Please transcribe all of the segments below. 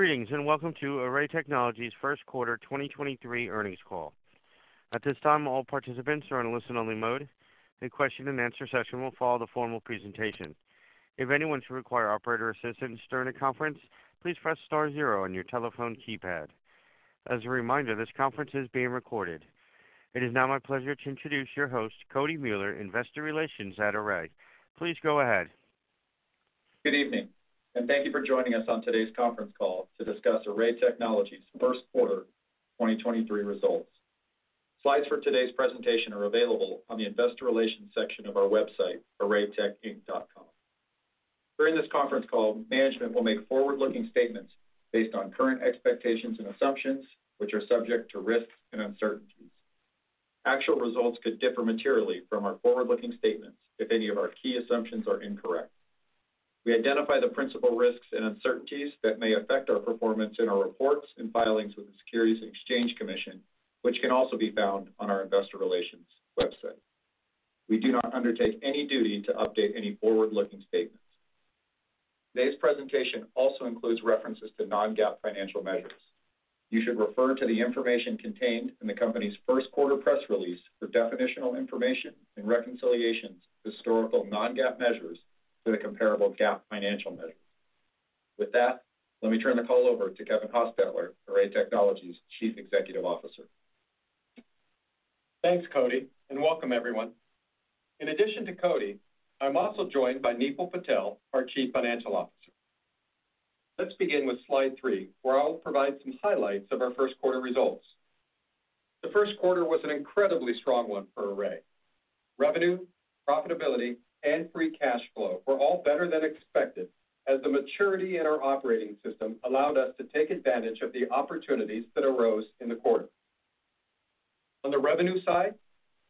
Greetings, welcome to Array Technologies' first quarter 2023 earnings call. At this time, all participants are in listen-only mode. A question and answer session will follow the formal presentation. If anyone should require operator assistance during the conference, please press star 0 on your telephone keypad. As a reminder, this conference is being recorded. It is now my pleasure to introduce your host, Cody Mueller, Investor Relations at Array. Please go ahead. Good evening, thank you for joining us on today's conference call to discuss Array Technologies' first quarter 2023 results. Slides for today's presentation are available on the investor relations section of our website, arraytechinc.com. During this conference call, management will make forward-looking statements based on current expectations and assumptions, which are subject to risks and uncertainties. Actual results could differ materially from our forward-looking statements if any of our key assumptions are incorrect. We identify the principal risks and uncertainties that may affect our performance in our reports and filings with the Securities and Exchange Commission, which can also be found on our investor relations website. We do not undertake any duty to update any forward-looking statements. Today's presentation also includes references to non-GAAP financial measures. You should refer to the information contained in the company's first quarter press release for definitional information and reconciliations to historical non-GAAP measures to the comparable GAAP financial measures. With that, let me turn the call over to Kevin Hostetler, Array Technologies' Chief Executive Officer. Thanks, Cody. Welcome everyone. In addition to Cody, I'm also joined by Nipul Patel, our Chief Financial Officer. Let's begin with slide 3, where I'll provide some highlights of our first quarter results. The first quarter was an incredibly strong one for Array. Revenue, profitability, and free cash flow were all better than expected as the maturity in our operating system allowed us to take advantage of the opportunities that arose in the quarter. On the revenue side,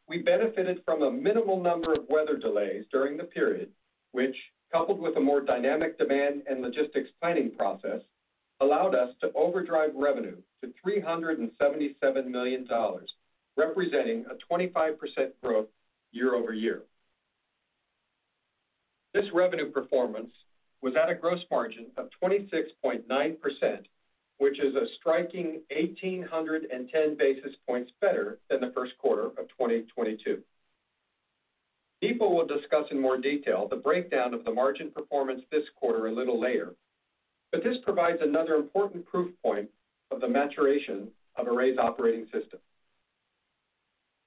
we benefited from a minimal number of weather delays during the period, which, coupled with a more dynamic demand and logistics planning process, allowed us to overdrive revenue to $377 million, representing a 25% growth year-over-year. This revenue performance was at a gross margin of 26.9%, which is a striking 1,810 basis points better than the first quarter of 2022. Nipul will discuss in more detail the breakdown of the margin performance this quarter a little later. This provides another important proof point of the maturation of Array's operating system.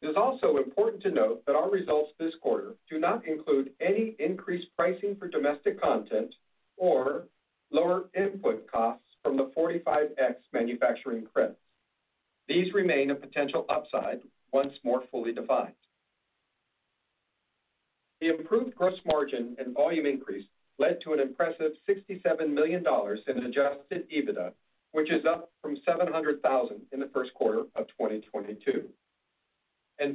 It is also important to note that our results this quarter do not include any increased pricing for domestic content or lower input costs from the 45X manufacturing credits. These remain a potential upside once more fully defined. The improved gross margin and volume increase led to an impressive $67 million in adjusted EBITDA, which is up from $700,000 in the first quarter of 2022.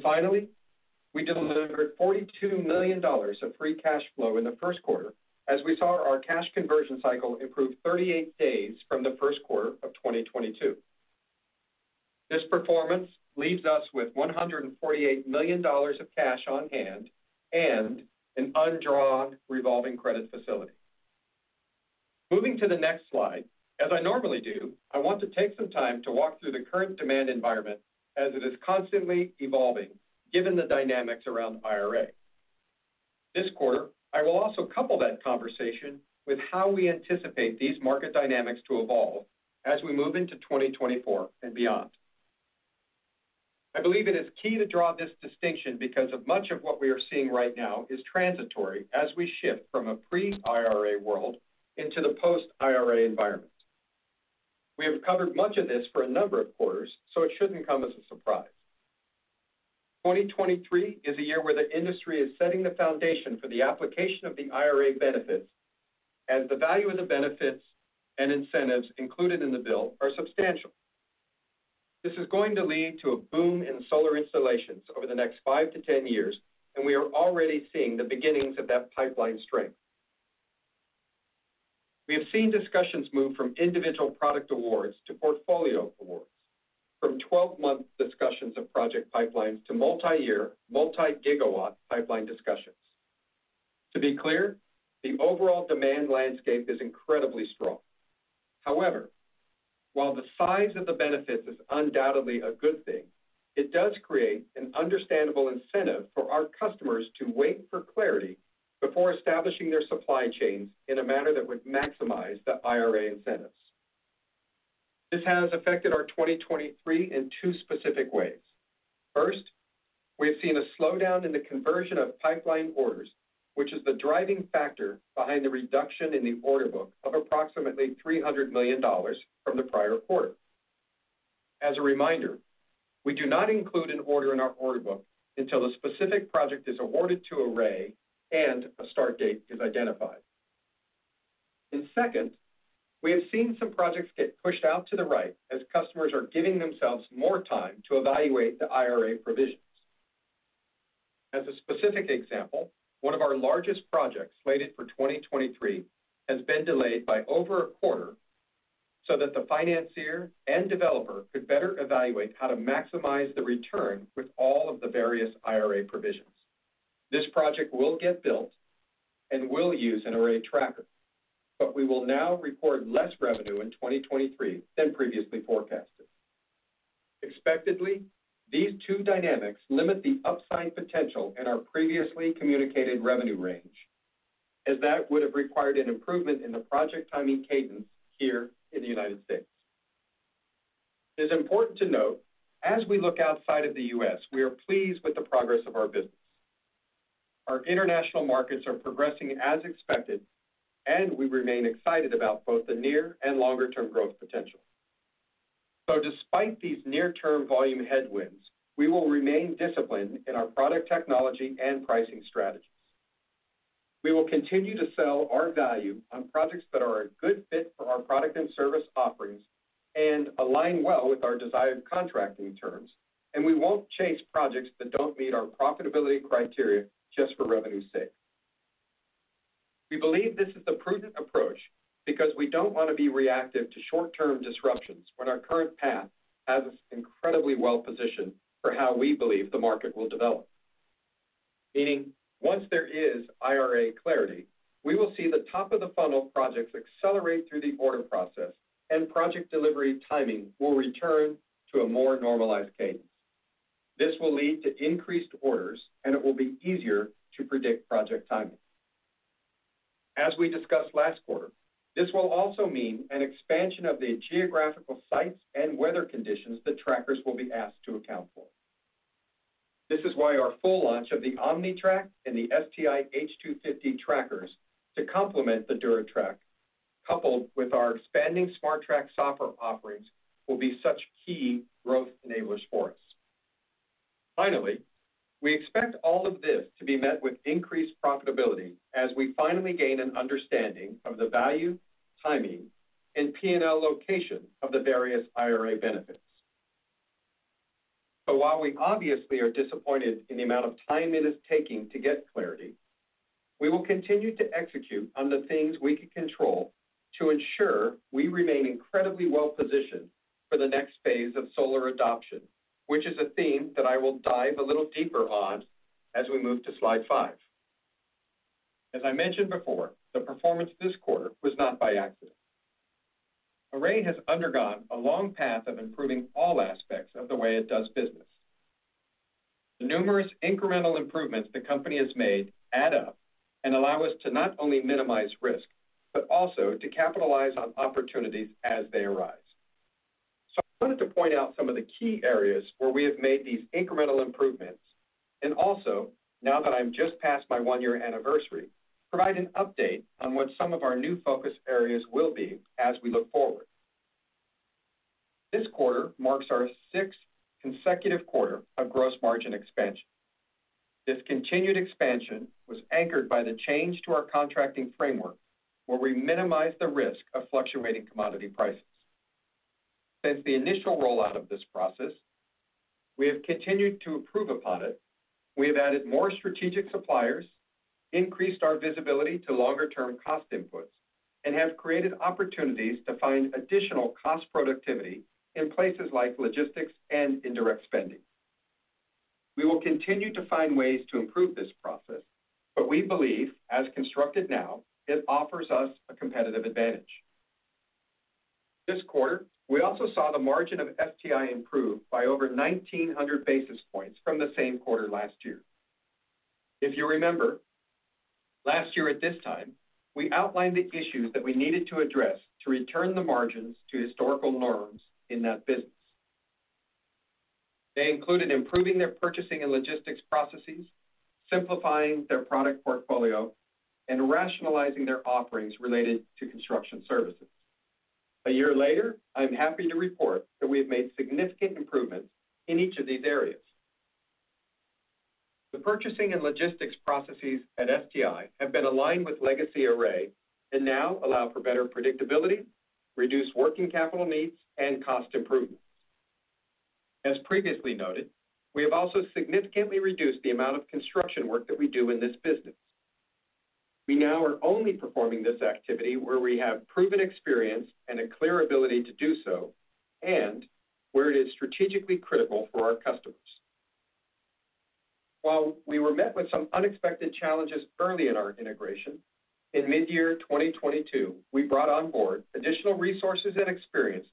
Finally, we delivered $42 million of free cash flow in the first quarter as we saw our cash conversion cycle improve 38 days from the first quarter of 2022. This performance leaves us with $148 million of cash on hand and an undrawn revolving credit facility. Moving to the next slide, as I normally do, I want to take some time to walk through the current demand environment as it is constantly evolving, given the dynamics around IRA. This quarter, I will also couple that conversation with how we anticipate these market dynamics to evolve as we move into 2024 and beyond. I believe it is key to draw this distinction because of much of what we are seeing right now is transitory as we shift from a pre-IRA world into the post-IRA environment. We have covered much of this for a number of quarters, so it shouldn't come as a surprise. 2023 is a year where the industry is setting the foundation for the application of the IRA benefits, as the value of the benefits and incentives included in the bill are substantial. This is going to lead to a boom in solar installations over the next 5 to 10 years, and we are already seeing the beginnings of that pipeline strength. We have seen discussions move from individual product awards to portfolio awards, from 12-month discussions of project pipelines to multi-year, multi-gigawatt pipeline discussions. To be clear, the overall demand landscape is incredibly strong. However, while the size of the benefits is undoubtedly a good thing, it does create an understandable incentive for our customers to wait for clarity before establishing their supply chains in a manner that would maximize the IRA incentives. This has affected our 2023 in two specific ways. First, we have seen a slowdown in the conversion of pipeline orders, which is the driving factor behind the reduction in the order book of approximately $300 million from the prior quarter. As a reminder, we do not include an order in our order book until the specific project is awarded to Array and a start date is identified. Second, we have seen some projects get pushed out to the right as customers are giving themselves more time to evaluate the IRA provisions. As a specific example, one of our largest projects slated for 2023 has been delayed by over a quarter so that the financier and developer could better evaluate how to maximize the return with all of the various IRA provisions. This project will get built and will use an Array tracker, we will now report less revenue in 2023 than previously forecasted. Expectedly, these two dynamics limit the upside potential in our previously communicated revenue range, as that would have required an improvement in the project timing cadence here in the United States. It's important to note, as we look outside of the U.S., we are pleased with the progress of our business. Our international markets are progressing as expected, we remain excited about both the near and longer-term growth potential. Despite these near-term volume headwinds, we will remain disciplined in our product technology and pricing strategies. We will continue to sell our value on projects that are a good fit for our product and service offerings and align well with our desired contracting terms. We won't chase projects that don't meet our profitability criteria just for revenue's sake. We believe this is the prudent approach, because we don't want to be reactive to short-term disruptions when our current path has us incredibly well positioned for how we believe the market will develop. Once there is IRA clarity, we will see the top-of-the-funnel projects accelerate through the order process and project delivery timing will return to a more normalized cadence. This will lead to increased orders. It will be easier to predict project timing. As we discussed last quarter, this will also mean an expansion of the geographical sites and weather conditions that trackers will be asked to account for. This is why our full launch of the OmniTrack and the STI H250 trackers to complement the DuraTrack, coupled with our expanding SmarTrack software offerings, will be such key growth enablers for us. Finally, we expect all of this to be met with increased profitability as we finally gain an understanding of the value, timing, and P&L location of the various IRA benefits. While we obviously are disappointed in the amount of time it is taking to get clarity, we will continue to execute on the things we can control to ensure we remain incredibly well positioned for the next phase of solar adoption, which is a theme that I will dive a little deeper on as we move to slide 5. As I mentioned before, the performance this quarter was not by accident. Array has undergone a long path of improving all aspects of the way it does business. The numerous incremental improvements the company has made add up and allow us to not only minimize risk, but also to capitalize on opportunities as they arise. I wanted to point out some of the key areas where we have made these incremental improvements and also, now that I'm just past my one-year anniversary, provide an update on what some of our new focus areas will be as we look forward. This quarter marks our sixth consecutive quarter of gross margin expansion. This continued expansion was anchored by the change to our contracting framework, where we minimized the risk of fluctuating commodity prices. Since the initial rollout of this process, we have continued to improve upon it. We have added more strategic suppliers, increased our visibility to longer-term cost inputs, and have created opportunities to find additional cost productivity in places like logistics and indirect spending. We will continue to find ways to improve this process, but we believe, as constructed now, it offers us a competitive advantage. This quarter, we also saw the margin of STI improve by over 1,900 basis points from the same quarter last year. If you remember, last year at this time, we outlined the issues that we needed to address to return the margins to historical norms in that business. They included improving their purchasing and logistics processes, simplifying their product portfolio, and rationalizing their offerings related to construction services. A year later, I'm happy to report that we have made significant improvements in each of these areas. The purchasing and logistics processes at STI have been aligned with legacy Array and now allow for better predictability, reduced working capital needs, and cost improvements. As previously noted, we have also significantly reduced the amount of construction work that we do in this business. We now are only performing this activity where we have proven experience and a clear ability to do so, and where it is strategically critical for our customers. While we were met with some unexpected challenges early in our integration, in mid-year 2022, we brought on board additional resources and experience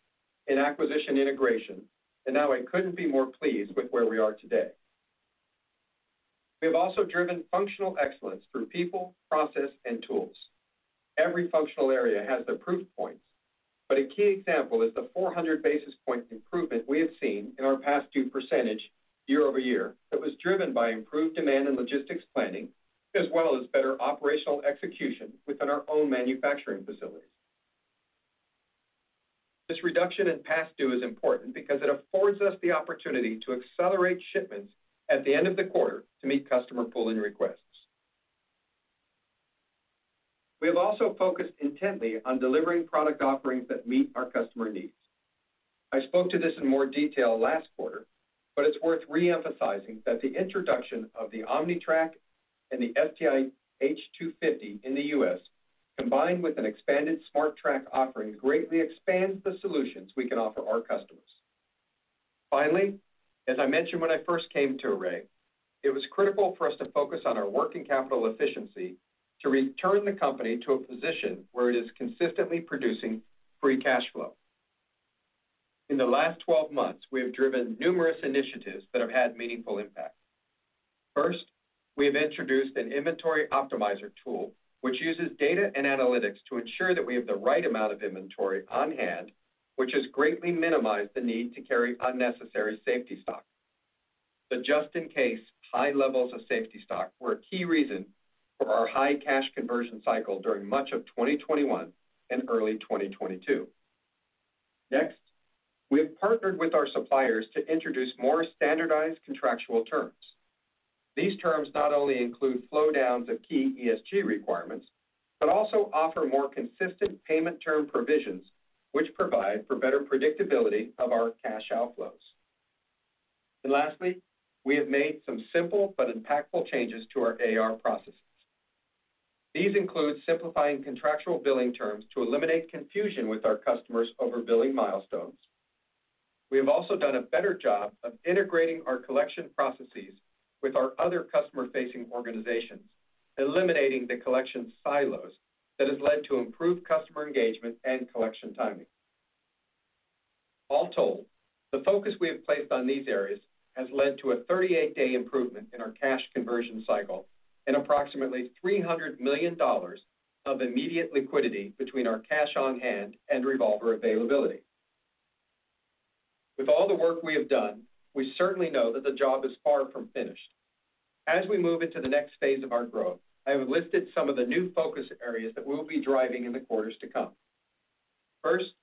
in acquisition integration, and now I couldn't be more pleased with where we are today. We have also driven functional excellence through people, process, and tools. Every functional area has their proof points, but a key example is the 400 basis point improvement we have seen in our past due percentage year-over-year that was driven by improved demand and logistics planning, as well as better operational execution within our own manufacturing facilities. This reduction in past due is important, because it affords us the opportunity to accelerate shipments at the end of the quarter to meet customer pulling requests. We have also focused intently on delivering product offerings that meet our customer needs. I spoke to this in more detail last quarter, but it's worth re-emphasizing that the introduction of the OmniTrack and the STI H250 in the U.S., combined with an expanded SmarTrack offering, greatly expands the solutions we can offer our customers. As I mentioned when I first came to Array, it was critical for us to focus on our working capital efficiency to return the company to a position where it is consistently producing free cash flow. In the last 12 months, we have driven numerous initiatives that have had meaningful impact. First, we have introduced an inventory optimizer tool, which uses data and analytics to ensure that we have the right amount of inventory on hand, which has greatly minimized the need to carry unnecessary safety stock. The just in case high levels of safety stock were a key reason for our high cash conversion cycle during much of 2021 and early 2022. We have partnered with our suppliers to introduce more standardized contractual terms. These terms not only include flow downs of key ESG requirements, but also offer more consistent payment term provisions, which provide for better predictability of our cash outflows. Lastly, we have made some simple but impactful changes to our AR processes. These include simplifying contractual billing terms to eliminate confusion with our customers over billing milestones. We have also done a better job of integrating our collection processes with our other customer-facing organizations, eliminating the collection silos that has led to improved customer engagement and collection timing. All told, the focus we have placed on these areas has led to a 38 day improvement in our cash conversion cycle and approximately $300 million of immediate liquidity between our cash on hand and revolver availability. With all the work we have done, we certainly know that the job is far from finished. As we move into the next phase of our growth, I have listed some of the new focus areas that we'll be driving in the quarters to come. First,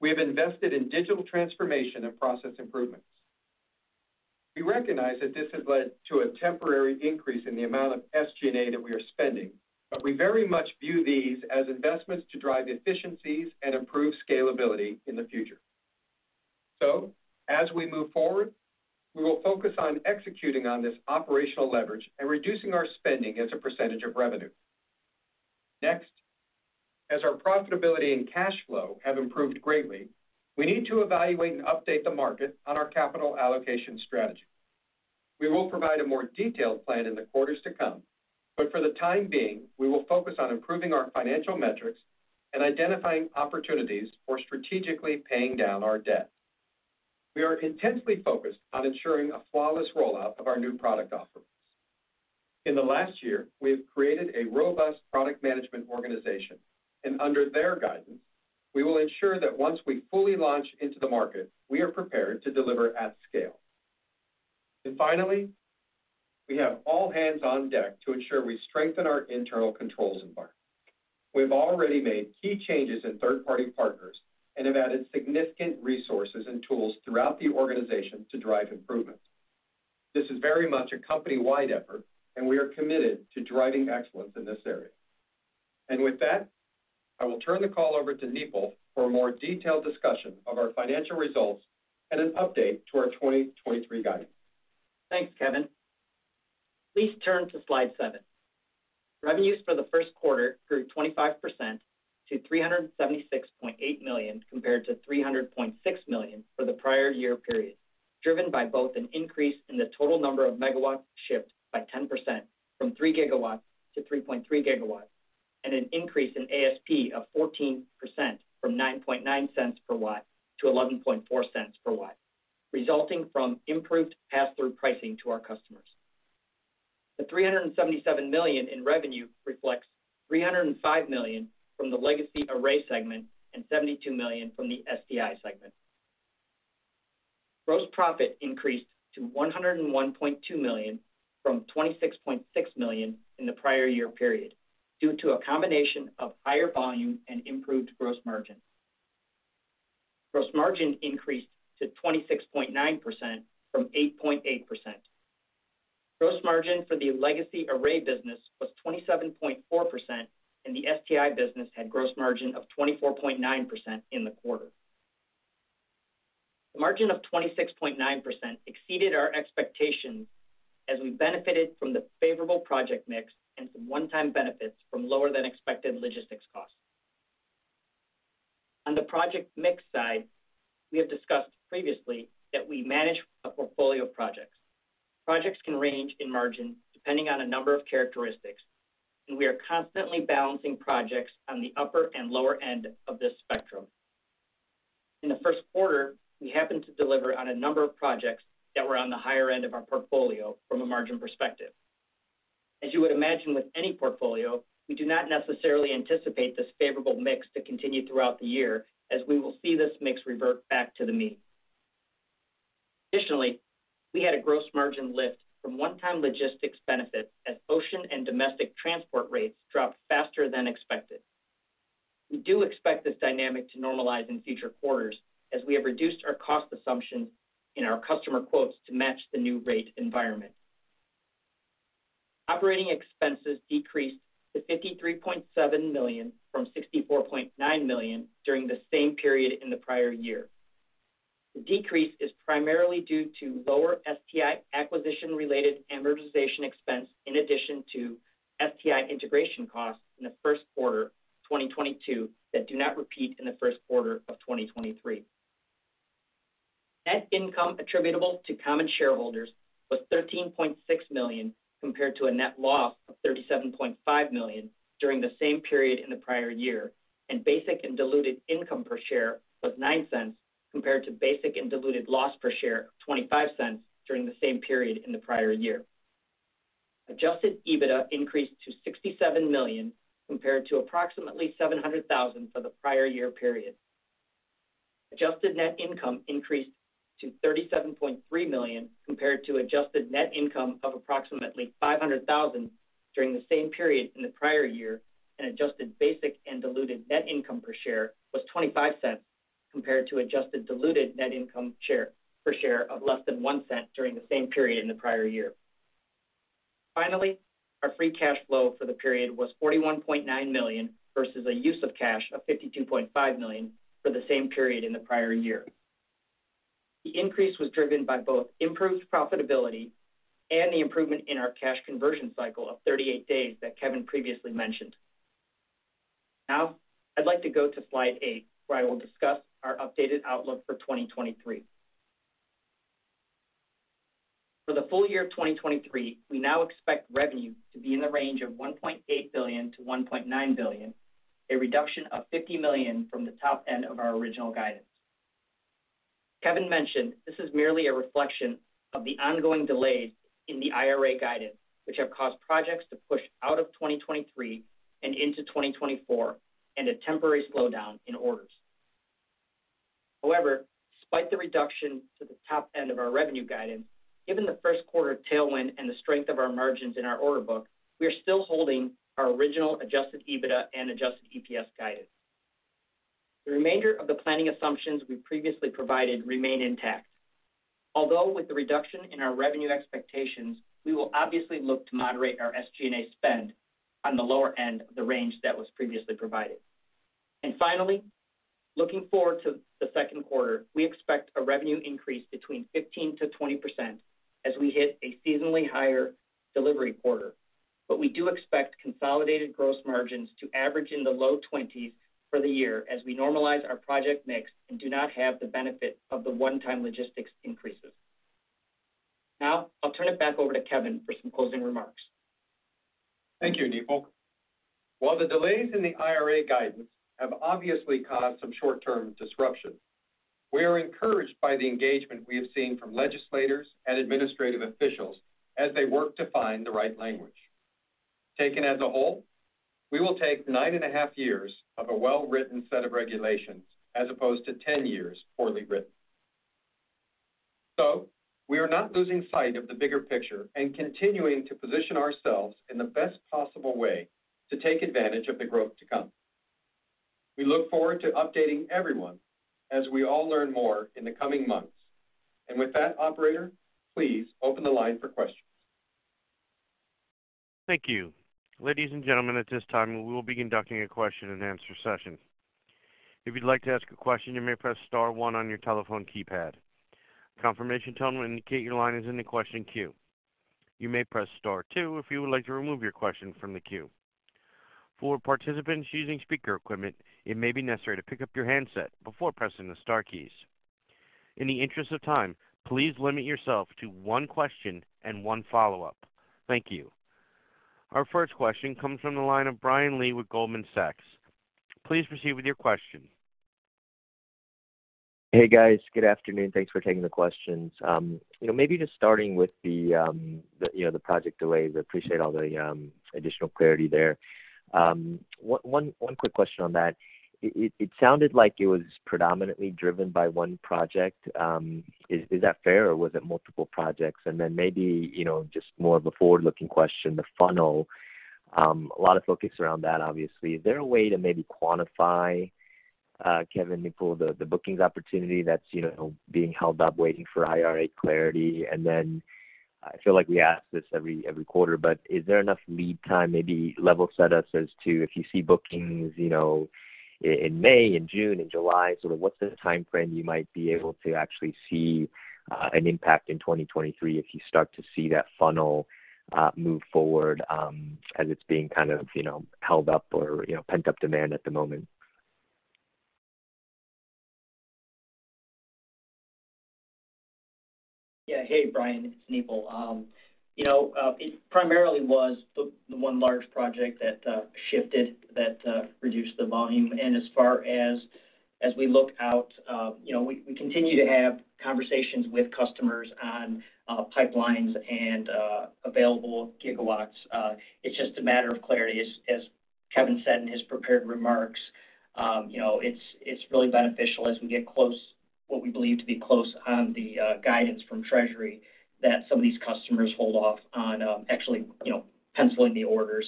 we have invested in digital transformation and process improvements. We recognize that this has led to a temporary increase in the amount of SG&A that we are spending, but we very much view these as investments to drive efficiencies and improve scalability in the future. As we move forward, we will focus on executing on this operational leverage and reducing our spending as a % of revenue. As our profitability and cash flow have improved greatly, we need to evaluate and update the market on our capital allocation strategy. We will provide a more detailed plan in the quarters to come, but for the time being, we will focus on improving our financial metrics and identifying opportunities for strategically paying down our debt. We are intensely focused on ensuring a flawless rollout of our new product offerings. In the last year, we have created a robust product management organization, and under their guidance, we will ensure that once we fully launch into the market, we are prepared to deliver at scale. Finally, we have all hands on deck to ensure we strengthen our internal controls environment. We've already made key changes in third-party partners and have added significant resources and tools throughout the organization to drive improvements. This is very much a company-wide effort, and we are committed to driving excellence in this area. With that, I will turn the call over to Nipul for a more detailed discussion of our financial results and an update to our 2023 guidance. Thanks, Kevin. Please turn to slide 7. Revenues for the first quarter grew 25% to $376.8 million compared to $300.6 million for the prior year period, driven by both an increase in the total number of megawatts shipped by 10% from 3 gigawatts to 3.3 gigawatts, and an increase in ASP of 14% from $0.099 per watt to $0.114 per watt, resulting from improved passthrough pricing to our customers. The $377 million in revenue reflects $305 million from the legacy Array segment and $72 million from the STI segment. Gross profit increased to $101.2 million from $26.6 million in the prior year period due to a combination of higher volume and improved gross margin. Gross margin increased to 26.9% from 8.8%. Gross margin for the legacy Array business was 27.4%, and the STI business had gross margin of 24.9% in the quarter. The margin of 26.9% exceeded our expectations as we benefited from the favorable project mix and some one-time benefits from lower than expected logistics costs. On the project mix side, we have discussed previously that we manage a portfolio of projects. Projects can range in margin depending on a number of characteristics, and we are constantly balancing projects on the upper and lower end of this spectrum. In the first quarter, we happened to deliver on a number of projects that were on the higher end of our portfolio from a margin perspective. As you would imagine with any portfolio, we do not necessarily anticipate this favorable mix to continue throughout the year, as we will see this mix revert back to the mean. We had a gross margin lift from one-time logistics benefits as ocean and domestic transport rates dropped faster than expected. We do expect this dynamic to normalize in future quarters as we have reduced our cost assumption in our customer quotes to match the new rate environment. Operating expenses decreased to $53.7 million from $64.9 million during the same period in the prior year. The decrease is primarily due to lower STI acquisition-related amortization expense in addition to STI integration costs in the first quarter of 2022 that do not repeat in the first quarter of 2023. Net income attributable to common shareholders was $13.6 million, compared to a net loss of $37.5 million during the same period in the prior year, and basic and diluted income per share was $0.09 compared to basic and diluted loss per share of $0.25 during the same period in the prior year. Adjusted EBITDA increased to $67 million, compared to approximately $700,000 for the prior year period. Adjusted net income increased to $37.3 million compared to adjusted net income of approximately $500,000 during the same period in the prior year, and adjusted basic and diluted net income per share was $0.25 compared to adjusted diluted net income per share of less than $0.01 during the same period in the prior year. Our free cash flow for the period was $41.9 million versus a use of cash of $52.5 million for the same period in the prior year. The increase was driven by both improved profitability and the improvement in our cash conversion cycle of 38 days that Kevin previously mentioned. I'd like to go to slide 8, where I will discuss our updated outlook for 2023. For the full year of 2023, we now expect revenue to be in the range of $1.8 billion-$1.9 billion, a reduction of $50 million from the top end of our original guidance. Kevin mentioned this is merely a reflection of the ongoing delays in the IRA guidance, which have caused projects to push out of 2023 and into 2024, and a temporary slowdown in orders. Despite the reduction to the top end of our revenue guidance, given the first quarter tailwind and the strength of our margins in our order book, we are still holding our original adjusted EBITDA and adjusted EPS guidance. The remainder of the planning assumptions we previously provided remain intact. Although with the reduction in our revenue expectations, we will obviously look to moderate our SG&A spend on the lower end of the range that was previously provided. Finally, looking forward to the second quarter, we expect a revenue increase between 15%-20% as we hit a seasonally higher delivery quarter. We do expect consolidated gross margins to average in the low twenties for the year as we normalize our project mix and do not have the benefit of the one-time logistics increases. Now I'll turn it back over to Kevin for some closing remarks. Thank you, Nipul. While the delays in the IRA guidance have obviously caused some short-term disruption, we are encouraged by the engagement we have seen from legislators and administrative officials as they work to find the right language. Taken as a whole, we will take nine and a half years of a well-written set of regulations as opposed to 10 years poorly written. We are not losing sight of the bigger picture and continuing to position ourselves in the best possible way to take advantage of the growth to come. We look forward to updating everyone as we all learn more in the coming months. With that, operator, please open the line for questions. Thank you. Ladies and gentlemen, at this time, we will be conducting a question and answer session. If you'd like to ask a question, you may press star one on your telephone keypad. A confirmation tone will indicate your line is in the question queue. You may press star two if you would like to remove your question from the queue. For participants using speaker equipment, it may be necessary to pick up your handset before pressing the star keys. In the interest of time, please limit yourself to one question and one follow-up. Thank you. Our first question comes from the line of Brian Lee with Goldman Sachs. Please proceed with your question. Hey, guys. Good afternoon. Thanks for taking the questions. you know, maybe just starting with the, you know, the project delays. I appreciate all the additional clarity there. one quick question on that. It sounded like it was predominantly driven by one project. Is that fair, or was it multiple projects? Then maybe, you know, just more of a forward-looking question, the funnel. A lot of focus around that obviously. Is there a way to maybe quantify, Kevin, Nipul, the bookings opportunity that's, you know, being held up waiting for IRA clarity? I feel like we ask this every quarter, but is there enough lead time, maybe level set us as to if you see bookings, you know, in May and June and July, sort of what's the timeframe you might be able to actually see an impact in 2023 if you start to see that funnel move forward, as it's being kind of, you know, held up or, you know, pent up demand at the moment? Yeah. Hey, Brian, it's Nipul. You know, it primarily was the one large project that shifted that reduced the volume. As far as we look out, you know, we continue to have conversations with customers on pipelines and available gigawatts. It's just a matter of clarity. As, as Kevin said in his prepared remarks, you know, it's really beneficial as we get close what we believe to be close on the guidance from Treasury that some of these customers hold off on actually, you know, penciling the order.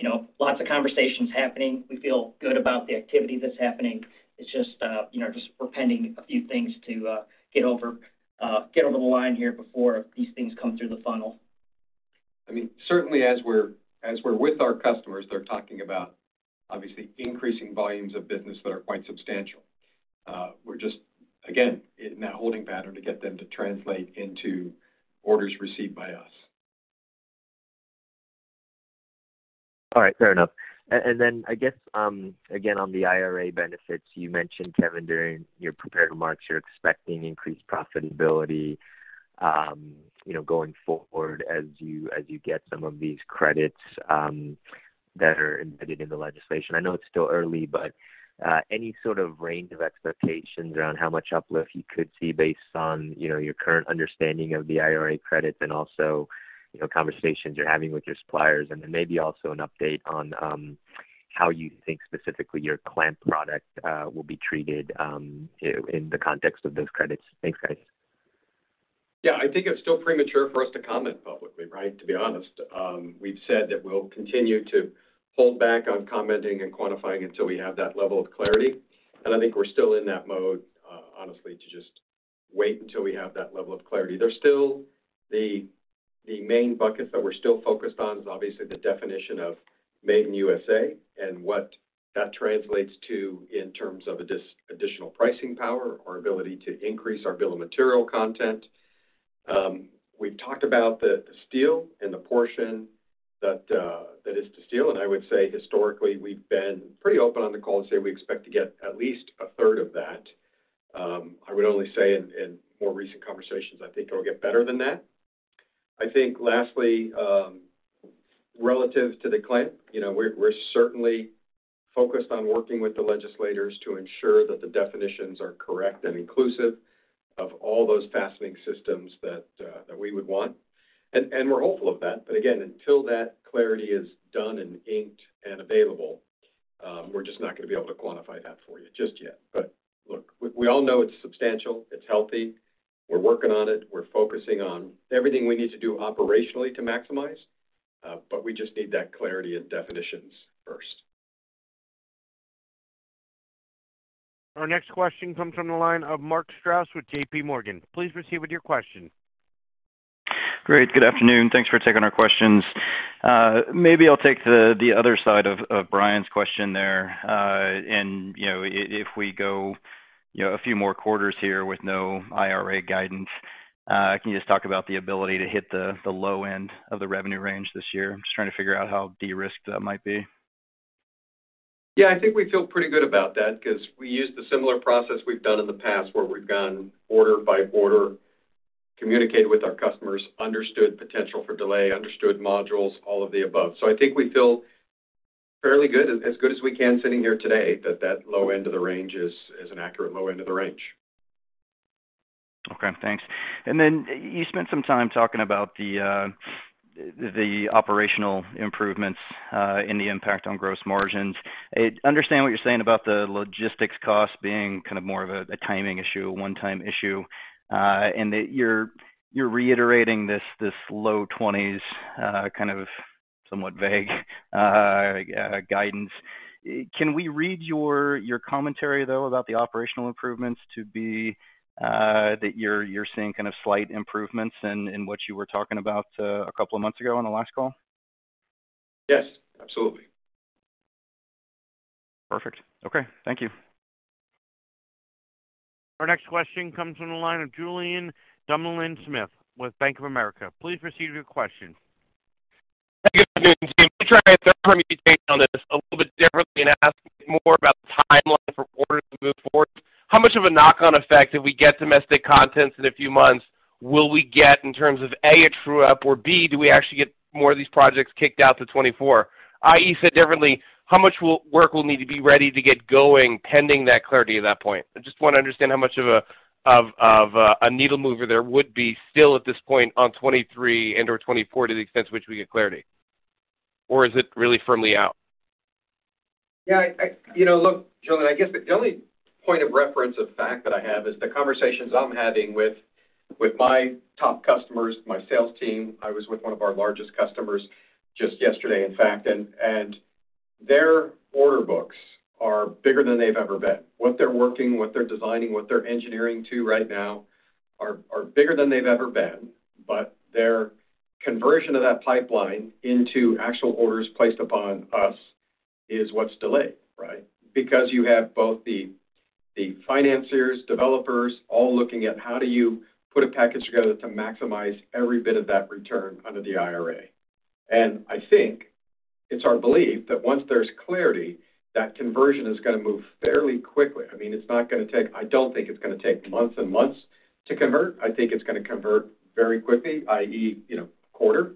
You know, lots of conversations happening. We feel good about the activity that's happening. It's just, you know, just we're pending a few things to get over get over the line here before these things come through the funnel. I mean, certainly as we're with our customers, they're talking about obviously increasing volumes of business that are quite substantial. We're just, again, in that holding pattern to get them to translate into orders received by us. All right, fair enough. Then I guess, again, on the IRA benefits, you mentioned, Kevin, during your prepared remarks, you're expecting increased profitability, you know, going forward as you, as you get some of these credits, that are embedded in the legislation. I know it's still early, but any sort of range of expectations around how much uplift you could see based on, you know, your current understanding of the IRA credits and also, you know, conversations you're having with your suppliers, and then maybe also an update on how you think specifically your clamp product will be treated in the context of those credits? Thanks, guys. I think it's still premature for us to comment publicly, right, to be honest. We've said that we'll continue to hold back on commenting and quantifying until we have that level of clarity, and I think we're still in that mode, honestly, to just wait until we have that level of clarity. There's still the main buckets that we're still focused on is obviously the definition of made in USA and what that translates to in terms of additional pricing power or ability to increase our bill of material content. We've talked about the steel and the portion that that is to steel, and I would say historically, we've been pretty open on the call and say we expect to get at least a third of that. I would only say in more recent conversations, I think it'll get better than that. I think lastly, relative to the clamp, you know, we're certainly focused on working with the legislators to ensure that the definitions are correct and inclusive of all those fastening systems that we would want. We're hopeful of that. Again, until that clarity is done and inked and available, we're just not gonna be able to quantify that for you just yet. Look, we all know it's substantial, it's healthy. We're working on it. We're focusing on everything we need to do operationally to maximize, but we just need that clarity and definitions first. Our next question comes from the line of Mark Strouse with JP Morgan. Please proceed with your question. Great. Good afternoon. Thanks for taking our questions. Maybe I'll take the other side of Brian's question there. You know, if we go, you know, a few more quarters here with no IRA guidance, can you just talk about the ability to hit the low end of the revenue range this year? I'm just trying to figure out how de-risked that might be. I think we feel pretty good about that because we used the similar process we've done in the past, where we've gone order by order, communicated with our customers, understood potential for delay, understood modules, all of the above. I think we feel fairly good, as good as we can sitting here today, that that low end of the range is an accurate low end of the range. Okay. Thanks. You spent some time talking about the operational improvements and the impact on gross margins. I understand what you're saying about the logistics costs being kind of more of a timing issue, a one-time issue, and that you're reiterating this low twenties, kind of somewhat vague guidance. Can we read your commentary though about the operational improvements to be that you're seeing kind of slight improvements in what you were talking about a couple of months ago on the last call? Yes. Absolutely. Perfect. Okay. Thank you. Our next question comes from the line of Julien Dumoulin-Smith with Bank of America. Please proceed with your question. Good afternoon, team. Let me try and frame this a little bit differently and ask more about the timeline for orders to move forward. How much of a knock-on effect if we get domestic contents in a few months, will we get in terms of, A, it true up, or B, do we actually get more of these projects kicked out to 2024? I.E., said differently, how much work will need to be ready to get going pending that clarity at that point? I just wanna understand how much of a needle mover there would be still at this point on 2023 and/or 2024 to the extent to which we get clarity, or is it really firmly out? Yeah, I... You know, look, Julien, I guess the only point of reference of fact that I have is the conversations I'm having with my top customers, my sales team. I was with one of our largest customers just yesterday, in fact, and their order books are bigger than they've ever been. What they're working, what they're designing, what they're engineering to right now are bigger than they've ever been. Their conversion of that pipeline into actual orders placed upon us is what's delayed, right? Because you have both the financiers, developers, all looking at how do you put a package together to maximize every bit of that return under the IRA. I think it's our belief that once there's clarity, that conversion is gonna move fairly quickly. I mean, it's not gonna take... I don't think it's gonna take months and months to convert. I think it's gonna convert very quickly, i.e., you know, quarter,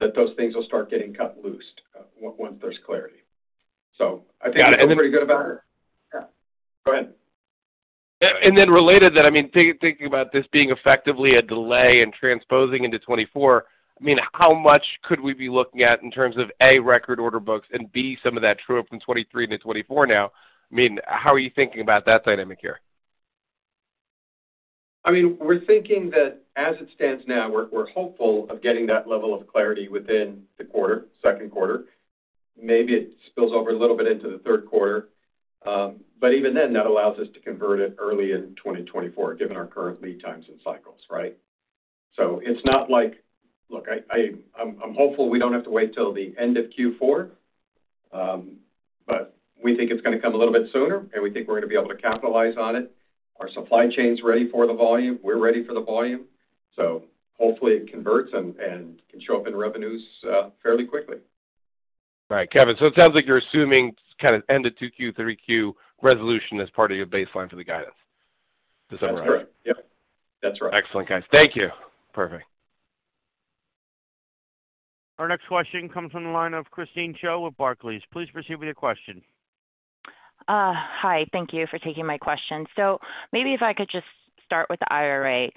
that those things will start getting cut loose once there's clarity. I think I feel pretty good about it. Yeah. Go ahead. Related then, I mean, thinking about this being effectively a delay and transposing into 2024, I mean, how much could we be looking at in terms of, A, record order books, and B, some of that true up from 2023 to 2024 now, I mean, how are you thinking about that dynamic here? I mean, we're thinking that as it stands now, we're hopeful of getting that level of clarity within the quarter, second quarter. Maybe it spills over a little bit into the third quarter. Even then, that allows us to convert it early in 2024, given our current lead times and cycles, right? Look, I'm hopeful we don't have to wait till the end of Q4. We think it's gonna come a little bit sooner. We think we're gonna be able to capitalize on it. Our supply chain's ready for the volume. We're ready for the volume. Hopefully it converts and can show up in revenues fairly quickly. Right. Kevin, it sounds like you're assuming kind of end of 2 Q, 3 Q resolution as part of your baseline for the guidance to summarize. That's correct. Yep. That's right. Excellent, guys. Thank you. Perfect. Our next question comes from the line of Christine Cho with Barclays. Please proceed with your question. Hi. Thank you for taking my question. Maybe if I could just start with the IRA.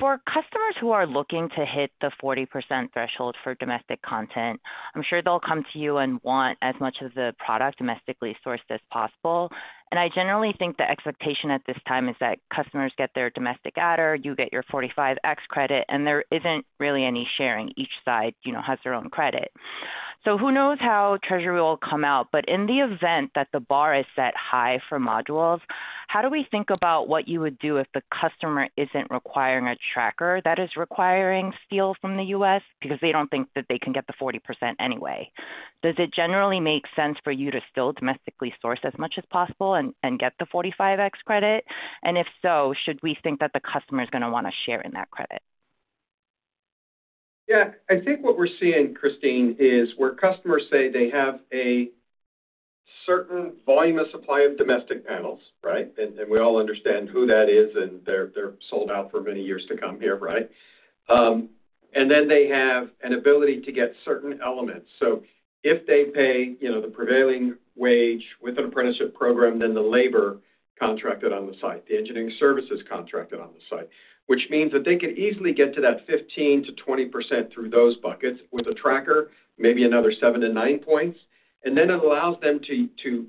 For customers who are looking to hit the 40% threshold for domestic content, I'm sure they'll come to you and want as much of the product domestically sourced as possible. I generally think the expectation at this time is that customers get their domestic adder, you get your 45X credit, and there isn't really any sharing. Each side, you know, has their own credit. Who knows how Treasury will come out, but in the event that the bar is set high for modules, how do we think about what you would do if the customer isn't requiring a tracker that is requiring steel from the U.S. because they don't think that they can get the 40% anyway? Does it generally make sense for you to still domestically source as much as possible and get the 45X credit? If so, should we think that the customer is gonna wanna share in that credit? Yeah. I think what we're seeing, Christine, is where customers say they have a certain volume of supply of domestic panels, right? We all understand who that is, they're sold out for many years to come here, right? Then they have an ability to get certain elements. So if they pay, you know, the prevailing wage with an apprenticeship program, then the labor contracted on the site, the engineering services contracted on the site, which means that they could easily get to that 15%-20% through those buckets with a tracker, maybe another 7-9 points. Then it allows them to,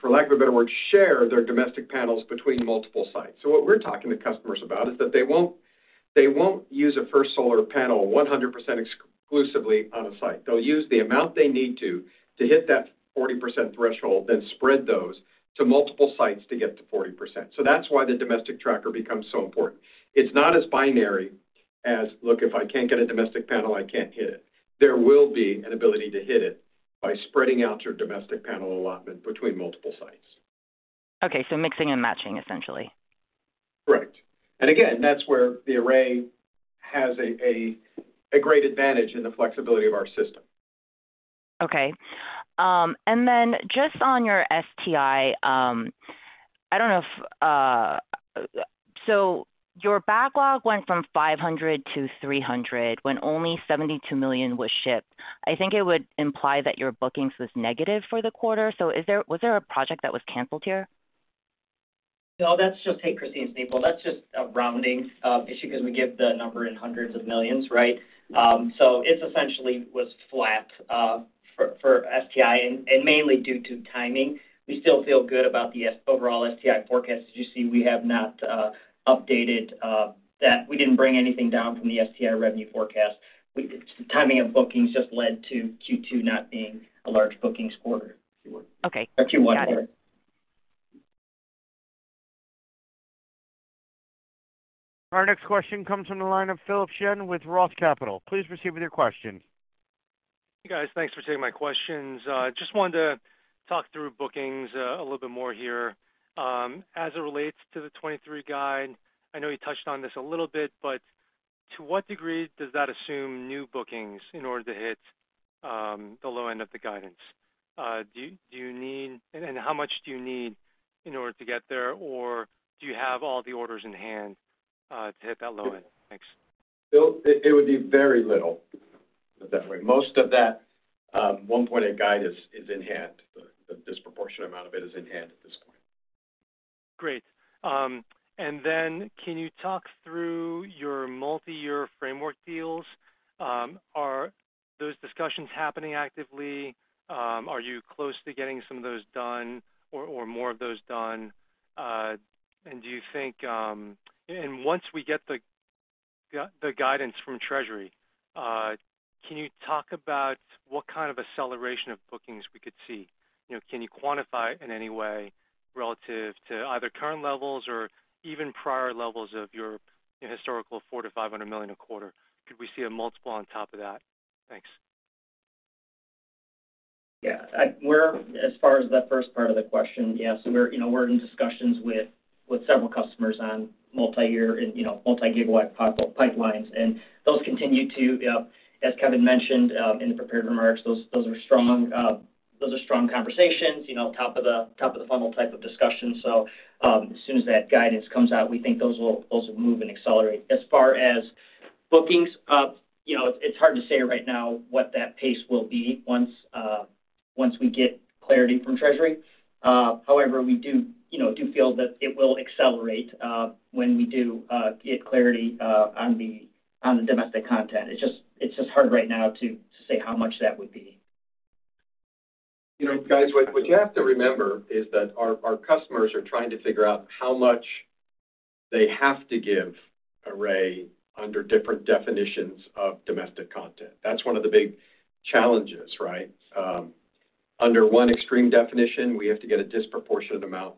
for lack of a better word, share their domestic panels between multiple sites. What we're talking to customers about is that they won't use a First Solar panel 100% exclusively on a site. They'll use the amount they need to hit that 40% threshold, then spread those to multiple sites to get to 40%. That's why the domestic tracker becomes so important. It's not as binary as, "Look, if I can't get a domestic panel, I can't hit it." There will be an ability to hit it by spreading out your domestic panel allotment between multiple sites. Okay. Mixing and matching, essentially. Right. Again, that's where the Array has a great advantage in the flexibility of our system. Okay. Then just on your STI, your backlog went from 500 to 300 when only $72 million was shipped. I think it would imply that your bookings was negative for the quarter. Was there a project that was canceled here? No, that's just, Hey Christine, it's Nipul Patel. That's just a rounding issue 'cause we give the number in hundreds of millions, right? It essentially was flat for STI and mainly due to timing. We still feel good about the overall STI forecast. As you see, we have not updated that. We didn't bring anything down from the STI revenue forecast. Timing of bookings just led to Q2 not being a large bookings quarter. Okay. Q1, sorry. Our next question comes from the line of Philip Shen with ROTH Capital. Please proceed with your question. Hey, guys. Thanks for taking my questions. Just wanted to talk through bookings a little bit more here. As it relates to the 2023 guide, I know you touched on this a little bit, but to what degree does that assume new bookings in order to hit the low end of the guidance? Do you need? How much do you need in order to get there? Or do you have all the orders in hand to hit that low end? Thanks. Phil, it would be very little, put it that way. Most of that, $1.8 guide is in hand. A disproportionate amount of it is in hand at this point. Great. Can you talk through your multi-year framework deals? Are those discussions happening actively? Are you close to getting some of those done or more of those done? Do you think... Once we get the guidance from Treasury, can you talk about what kind of acceleration of bookings we could see? You know, can you quantify in any way relative to either current levels or even prior levels of your historical $400 million-$500 million a quarter? Could we see a multiple on top of that? Thanks. As far as that first part of the question, we're, you know, we're in discussions with several customers on multi-year and, you know, multi-gigawatt pipelines, and those continue to, as Kevin mentioned, in the prepared remarks, those are strong conversations, you know, top of the funnel type of discussions. As soon as that guidance comes out, we think those will also move and accelerate. As far as bookings, you know, it's hard to say right now what that pace will be once we get clarity from Treasury. However, we do, you know, do feel that it will accelerate when we do get clarity on the domestic content. It's just hard right now to say how much that would be. You know, guys, what you have to remember is that our customers are trying to figure out how much they have to give Array under different definitions of domestic content. That's one of the big challenges, right? Under one extreme definition, we have to get a disproportionate amount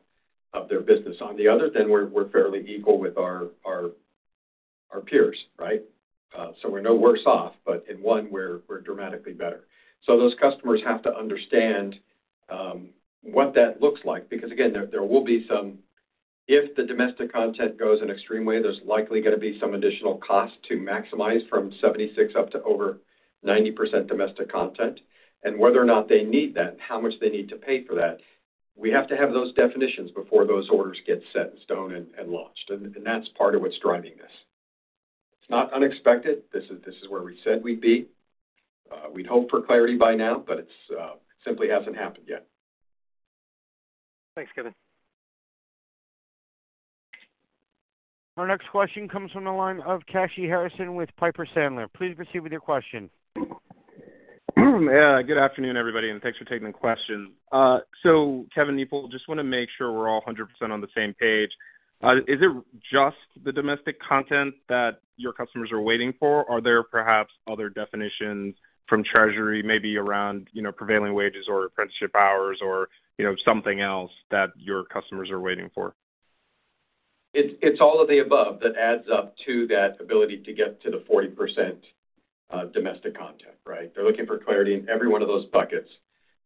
of their business. On the other than we're fairly equal with our peers, right? We're no worse off, but in one, we're dramatically better. Those customers have to understand what that looks like. Again, there will be some... If the domestic content goes an extreme way, there's likely gonna be some additional cost to maximize from 76% up to over 90% domestic content. Whether or not they need that, how much they need to pay for that, we have to have those definitions before those orders get set in stone and launched, and that's part of what's driving this. It's not unexpected. This is where we said we'd be. We'd hope for clarity by now, but it's simply hasn't happened yet. Thanks, Kevin. Our next question comes from the line of Kashy Harrison with Piper Sandler. Please proceed with your question. Yeah, good afternoon, everybody, and thanks for taking the question. Kevin, Nipul, just wanna make sure we're all 100% on the same page. Is it just the domestic content that your customers are waiting for? Are there perhaps other definitions from Treasury may be around, you know, prevailing wages or apprenticeship hours or, you know, something else that your customers are waiting for? It's all of the above that adds up to that ability to get to the 40% domestic content, right? They're looking for clarity in every one of those buckets.